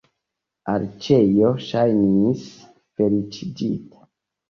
Aleĉjo ŝajnis feliĉigita.